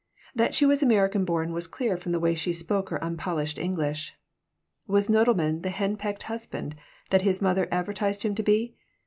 That she was American born was clear from the way she spoke her unpolished English. Was Nodelman the henpecked husband that his mother advertised him to be?